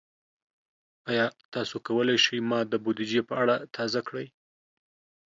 ایا تاسو کولی شئ ما د بودیجې په اړه تازه کړئ؟